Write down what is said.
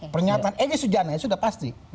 pernyataan egy sujana ya sudah pasti